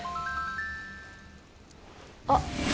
あっ。